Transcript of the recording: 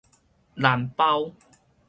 難胞